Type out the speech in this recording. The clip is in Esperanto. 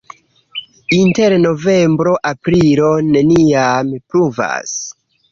Inter novembro-aprilo neniam pluvas.